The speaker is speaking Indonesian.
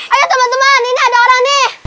ayo temen temen ini ada orang nih